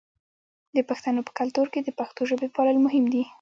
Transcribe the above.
د پښتنو په کلتور کې د پښتو ژبې پالل مهم دي.